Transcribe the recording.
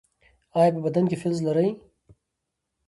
ایا په بدن کې فلز لرئ؟